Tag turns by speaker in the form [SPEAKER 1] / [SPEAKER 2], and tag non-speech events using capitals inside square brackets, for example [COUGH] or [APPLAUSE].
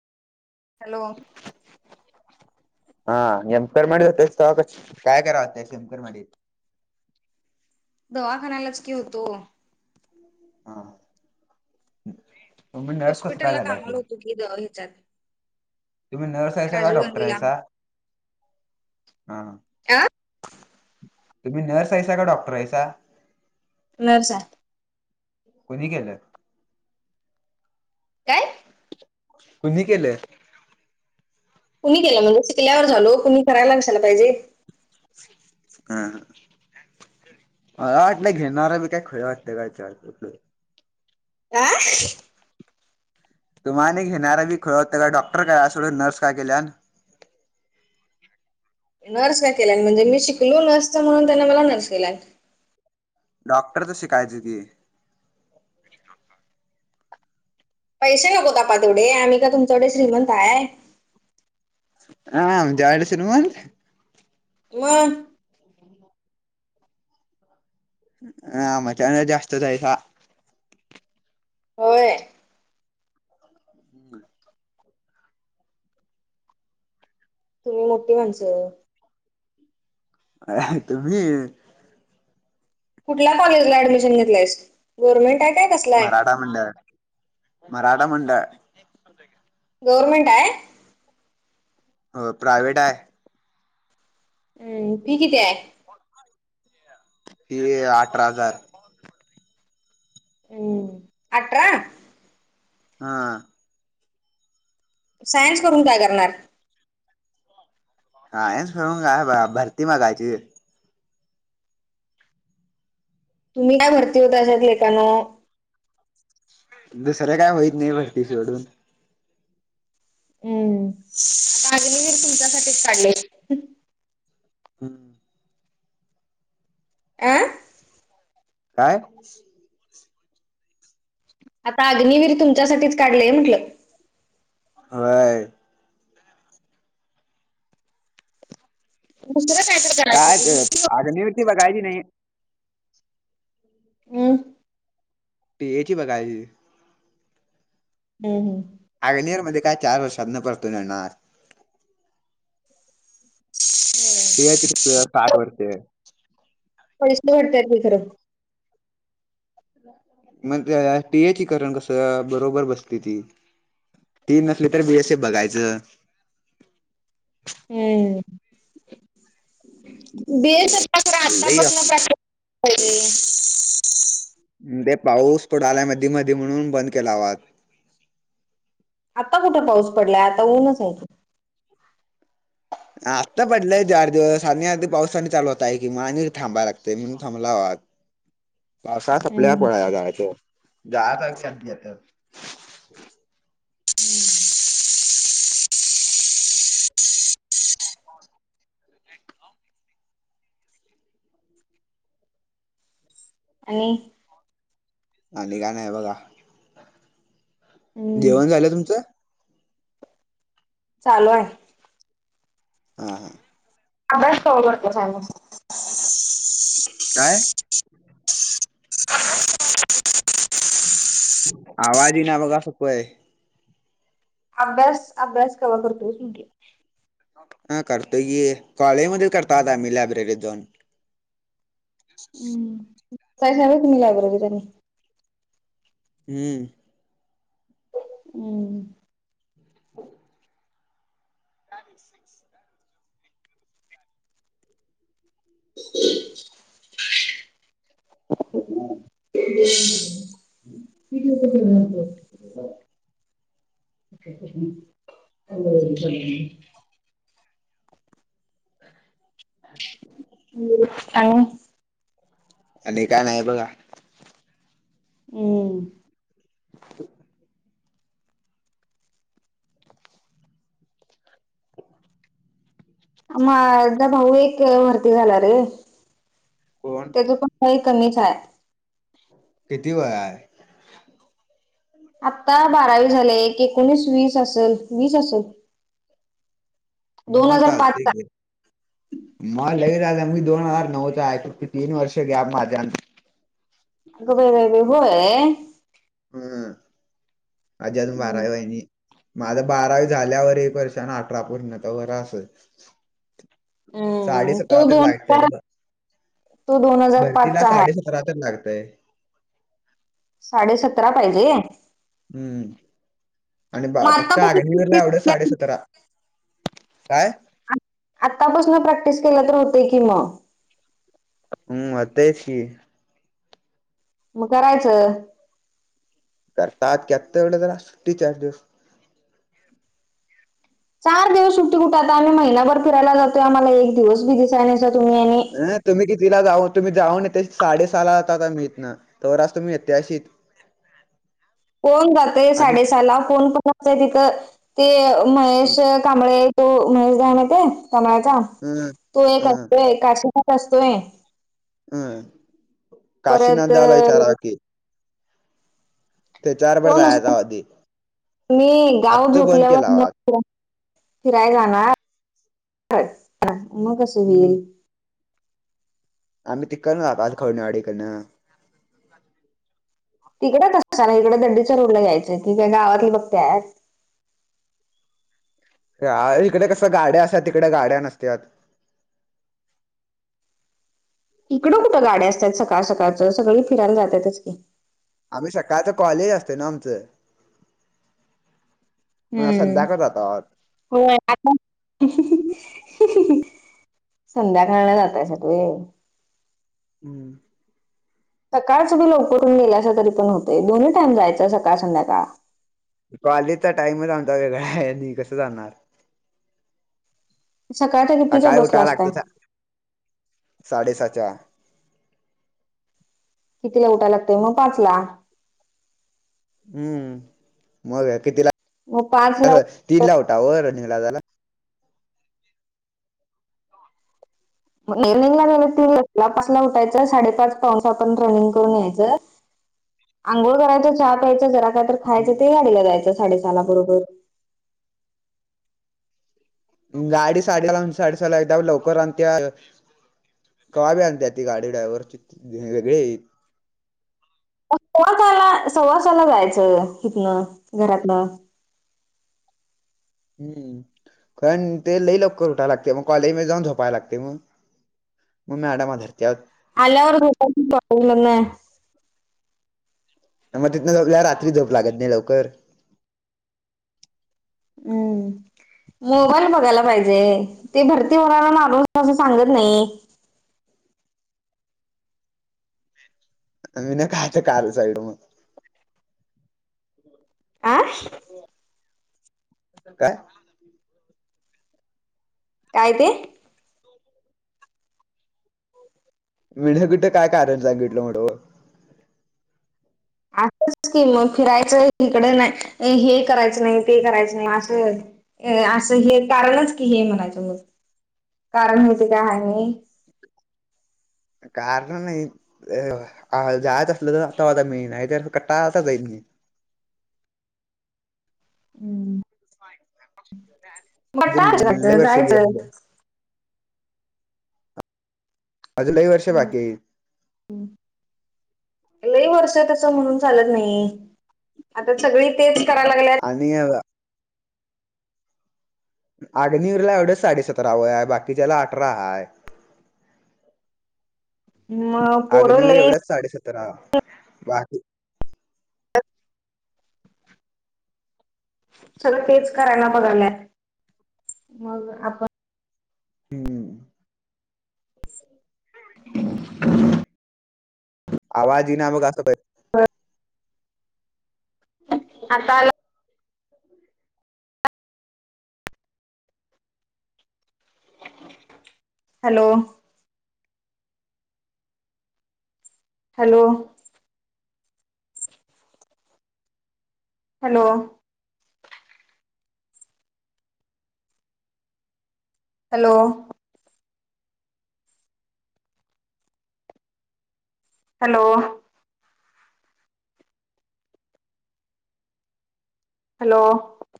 [SPEAKER 1] Hello,
[SPEAKER 2] हा निमकरमाडी जातस काय कराव होते शेमकरमाडी [INAUDIBLE]
[SPEAKER 1] दवाखान्यालाच की होतो.
[SPEAKER 2] हा म्हणजेस कस काय झालं
[SPEAKER 1] इ विचार
[SPEAKER 2] तुम्ही नर्स यासा का डॉक्टर
[SPEAKER 1] गांधीला
[SPEAKER 2] आहेसा हा
[SPEAKER 1] अ
[SPEAKER 2] तुम्ही नर्स यायसा का डॉक्टर आहेसा
[SPEAKER 1] नर स आहे
[SPEAKER 2] कोुणी केलं
[SPEAKER 1] काय
[SPEAKER 2] तु्ही केले
[SPEAKER 1] कुणी केलं म्हणजे शिकल्यावर झालो कु् करायला लक्षाला पाहिजे
[SPEAKER 2] हा ह ह वाटलं घेणारा बी काय खय वाटते काच्यावर
[SPEAKER 1] आ
[SPEAKER 2] तुम्हाने घेणारा बी खळ होतं का डॉक्टर काय असं नर्स काय केल्या
[SPEAKER 1] नर्स का केला म्हणजे मी शिकलो नर्सचा म्हणून त्याने मला नर्स केला
[SPEAKER 2] डॉक्टरच शिकायची ती
[SPEAKER 1] पैसे नकोतापा तेवढे आम्ही का तुमच्याकडे श्रीमंत आहेय
[SPEAKER 2] हा जाडच न म
[SPEAKER 1] व
[SPEAKER 2] ह मजान जास्त होतयस
[SPEAKER 1] होळ
[SPEAKER 2] हम्म
[SPEAKER 1] तुम्ही मोठी माणसं
[SPEAKER 2] अ तुम्ही
[SPEAKER 1] कुठल्या कॉलेजला ऍडमिशन घेतलंयस गव्हर्नमेंट आहे काय कसलाय
[SPEAKER 2] मा म्हड मराठा म्हंड
[SPEAKER 1] गवर्नमेंट आहे
[SPEAKER 2] हो प्रायवेट आहे
[SPEAKER 1] हम्म फी किती आहे
[SPEAKER 2] क अठरा हजार
[SPEAKER 1] हम्म अठरा.
[SPEAKER 2] हा.
[SPEAKER 1] सायन्स करून काय करणार.
[SPEAKER 2] सायन्स करून काय भरती बघायची.
[SPEAKER 1] तुम्ही काय भरती होता अशात लेखनं.
[SPEAKER 2] दुसर्या काय होईत नाही भरती सोडून.
[SPEAKER 1] हम्म अग्निवीर तुमच्यासाठीठीच काढले.
[SPEAKER 2] हम्म.
[SPEAKER 1] आ.
[SPEAKER 2] काय?
[SPEAKER 1] आता अग्निवीर तुमच्यासाठीच काढलंय म्हटलं.
[SPEAKER 2] होय.
[SPEAKER 1] म.
[SPEAKER 2] काय अग्निवृती बघायची नाही.
[SPEAKER 1] हम्.
[SPEAKER 2] टीए याची बघायची.
[SPEAKER 1] हम् हम्.
[SPEAKER 2] अगनेर मध्ये काय चार वर्षात न परतुन येणार. हे तच साठ वर्षे.
[SPEAKER 1] पैसे वाटत्यात की खरं.
[SPEAKER 2] मग त्या टीए ची करण कस बरोबर बसली ती. ती नसली तर बीएसएफ बघायचं.
[SPEAKER 1] हम्म. बेस होता
[SPEAKER 2] लई
[SPEAKER 1] आतापसन प्रॅक्टिस पाहिजे. [UNINTELLIGIBLE]
[SPEAKER 2] म्हणून ते पाऊस पोडालाय मध्ये मधी म्हणून बंद केला हवात.
[SPEAKER 1] आता कुठं पाऊस पडलाय आता ऊनच आहे की.
[SPEAKER 2] आत्ता पडलंय चार दिवस आणि अधदी पावसानी चालू होत आहे कि वा. आणि थांबाय लागतेय म्हणून थांबलाव आज
[SPEAKER 1] [INAUDIBLE]
[SPEAKER 2] पावसाळा संपला की
[SPEAKER 1] हम्म
[SPEAKER 2] पळायला जायचं. [UNINTELLIGIBLE]
[SPEAKER 1] आणि
[SPEAKER 2] आणि काय नाही बघा.
[SPEAKER 1] हम्म
[SPEAKER 2] जेवण झालं तुमचं?
[SPEAKER 1] चालू आहे.
[SPEAKER 2] हा‌ -हा.
[SPEAKER 1] अभ्यास [UNINTELLIGIBLE] चालू असतो.
[SPEAKER 2] काय? आवाज इना बघा सपय.
[SPEAKER 1] अभ्यास -अभ्यास कवा करतोयस म्हटलं?
[SPEAKER 2] हा करतोय कि कॉलेजमध्ये करताव आता आम्ही लायब्ररी जाऊन. [INAUDIBLE]
[SPEAKER 1] बसतायसा व्हय तुम्ही लायब्ररीत आणि.
[SPEAKER 2] हम्म.
[SPEAKER 1] हम्.
[SPEAKER 2] अ. [UNINTELLIGIBLE]
[SPEAKER 1] [INAUDIBLE] हो. [UNINTELLIGIBLE] हॅलो. [UNINTELLIGIBLE] आणि. [UNINTELLIGIBLE]
[SPEAKER 2] आणि काय नाही बघा.
[SPEAKER 1] हम्म..
[SPEAKER 2] [INAUDIBLE]
[SPEAKER 1] माझा- भाऊ एक भरती झाला रे
[SPEAKER 2] कोण?
[SPEAKER 1] तेज पण वय कमीच हाय.
[SPEAKER 2] किती वय हाय?
[SPEAKER 1] आता बारावी झाल्या, एक एकोणीस वीस असल- वीस असल.
[SPEAKER 2] म
[SPEAKER 1] हजार पाच
[SPEAKER 2] चालतंय
[SPEAKER 1] चा
[SPEAKER 2] की. म लय झालं मी दोन हजार नऊचा हाय. फक्त तीन वर्ष गॅप माझ्या आणि तुमच्या.
[SPEAKER 1] अग बई- बई -बई होय.
[SPEAKER 2] हं.. माझी अजून
[SPEAKER 1] हम्म
[SPEAKER 2] बारावी व्हाय नाही माझं बारावी झाल्यावर एक वर्षान अठरा पूर्ण तवर असंच
[SPEAKER 1] हम्म
[SPEAKER 2] साडेसतरा
[SPEAKER 1] तो
[SPEAKER 2] तर
[SPEAKER 1] दोन
[SPEAKER 2] लागत्यात
[SPEAKER 1] हजार
[SPEAKER 2] ब
[SPEAKER 1] तो दोन हजार पाच
[SPEAKER 2] भरतीला
[SPEAKER 1] चा आहे
[SPEAKER 2] साडेसतरा तर लागतय.
[SPEAKER 1] साडे सतरा पाहिजे?
[SPEAKER 2] हम. आणि बा फक्त [INAUDIBLE]
[SPEAKER 1] आतापासून
[SPEAKER 2] एवढं साडेसतरा काय?
[SPEAKER 1] आतापासंन प्रॅक्टिस केलं तर होतंय की म.
[SPEAKER 2] हम्म होतायच की
[SPEAKER 1] म करायचं
[SPEAKER 2] करतात त्यात काय येवढं जरा सुट्टी चार दिवस.
[SPEAKER 1] चार दिवस सुट्टी कुठं आता आम्ही महिनाभर फियला जातोय. आम्हाला एक दिवस बी दिसायनायसा तुम्ही आणि
[SPEAKER 2] ह तुम्ही कितीदा जा -ओ तुम्ही जाऊन येताय साडे सहाला जताव आम्ही हितन. तवर आज तुम्ही एकट्या असशीत.
[SPEAKER 1] कोण जातंय
[SPEAKER 2] आणि
[SPEAKER 1] साडेसहाला कोण पण कोच आहे तिथं ते महेश कांबळे तो महेश दादा माहीत आहे कांबळेचा
[SPEAKER 2] हम
[SPEAKER 1] तो एक असतोय. काशिनाथ असतोय.
[SPEAKER 2] हम. काशीनाथ
[SPEAKER 1] परत
[SPEAKER 2] दाला विचारावा की त्याच्यावर बरं
[SPEAKER 1] कोण
[SPEAKER 2] जायचं
[SPEAKER 1] नसत
[SPEAKER 2] आधी
[SPEAKER 1] मी गाव
[SPEAKER 2] आत्ता बंद केला
[SPEAKER 1] झोपल्यावर
[SPEAKER 2] आवाज
[SPEAKER 1] मग फिराय जाणार म कस
[SPEAKER 2] हम्म
[SPEAKER 1] होईल
[SPEAKER 2] आम्ही तिकडंन जाणारं खवडेवाडी काढणं
[SPEAKER 1] तिकड कशाला इकड दंडीच्या रोडला यायचं ही काय गावातली बघत्यात.
[SPEAKER 2] इकड कसं गाड्या असत्यात तिकडं गाड्या नसत्यात.
[SPEAKER 1] इकडं कुठं गाड्या असत्यात सकाळ सकाळच सगळी फिरायला जात्यातच की
[SPEAKER 2] आम्ही सकाळच कॉलेज असतय ना आमचं मग
[SPEAKER 1] हम.
[SPEAKER 2] संध्याकाळ जातो
[SPEAKER 1] होय आता संध्याकाळला जातायसा व्हय.
[SPEAKER 2] हम.
[SPEAKER 1] सकाळच तुम्ही लवकरहून गेलासा तरी पण होतय दोन्ही टाईम जायच सकाळ संध्याकाळ
[SPEAKER 2] कॉलेजचा टाइमच आमचा वेगळा हाय आणि कसं जाणार.
[SPEAKER 1] सकाळचा
[SPEAKER 2] सकाळी उठाय लागतंय [INAUDIBLE] गाडीला साडेसाच्या.
[SPEAKER 1] कितीला उठाय लागतय म पाचला.
[SPEAKER 2] हम. मग कितीला
[SPEAKER 1] मग पाचला
[SPEAKER 2] उठाव तीनला उठावं रनिंगला जायला.
[SPEAKER 1] रेनिंगला गेलं की [INAUDIBLE] उठायचं साडेपाच पावणेसहा पर्यंत रनिंग करून यायचं अंघोळ करायचं चहा प्यायचं जरा काय तर खायचं
[SPEAKER 2] हम्म.
[SPEAKER 1] ते गाडीला जायचं साडे सहाला बरोबर.
[SPEAKER 2] गाडी सहाला हाय म्हणून साडेसहाला येत्या व्हय लवकर आणि त्या [INAUDIBLE] कव्हां बी आणत्यात ती गाडी डाईव्हर वेगळी हायत.
[SPEAKER 1] सव्वासाला सव्वासाला जायचं इथनं घरातन.
[SPEAKER 2] हम कारण ते लई लवकर उठाय लागतय म कॉलेज मध्ये जाऊन झोपायल लागतय मग म मॅडमा धरत्यात.
[SPEAKER 1] अल्यावर भेटा की कॉलेज मधन.
[SPEAKER 2] मग तिथनं रात्री झोप लागत नाही लवकर
[SPEAKER 1] हम्म मोबाईल बघायला पाहिजे ते भरती होणारला मारून असं सांगत नाही
[SPEAKER 2] मी नाही कायच काल साईड मग
[SPEAKER 1] आ
[SPEAKER 2] काय
[SPEAKER 1] काय ते
[SPEAKER 2] मीन कुठं काय कारण सांगितलं म्हण
[SPEAKER 1] असंच स्म फिरायचं इिकडे नाही हे करायचं नाही ते करायचं नाही असं अ असं हे कारणच की हे मनाच्या म कारण हेच काय आहे
[SPEAKER 2] कारण नाही जायच असलं तर आता आता मीळ नाही तर कट्टा आता जाईल म
[SPEAKER 1] हम्म
[SPEAKER 2] ह
[SPEAKER 1] ब टाजत जायचं
[SPEAKER 2] गेले अजूनही वर्ष बाकी येई
[SPEAKER 1] हम् लही वर्ष तस म्हणून चालत नाही आता सगळी तेच करायला लागल्यात
[SPEAKER 2] आणि अग्नीरला एवढं साडेसतरा व बाकीच्याला अठरा हाय
[SPEAKER 1] ह् परले
[SPEAKER 2] तर बाकी
[SPEAKER 1] सगळं तेच करायला बघाल्या, मग आपण
[SPEAKER 2] हम्म आवाज इना बघ, असं
[SPEAKER 1] आता आला? Hello! Hello! Hello! Hello! Hello! Hello!